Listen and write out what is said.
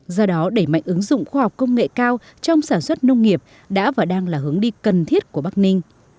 do đó đẩy mạnh ứng dụng khoa học công nghệ cao trong sản xuất nông nghiệp đã và đang là hướng đi cần thiết của bắc ninh